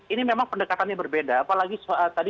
ini memang pendekatannya berbeda apalagi tadi